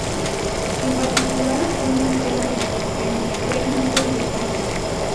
En particular, fue mentor de Ígor Tam, premio Nobel de física.